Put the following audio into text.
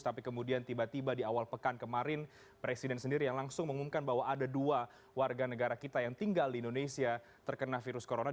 tapi kemudian tiba tiba di awal pekan kemarin presiden sendiri yang langsung mengumumkan bahwa ada dua warga negara kita yang tinggal di indonesia terkena virus corona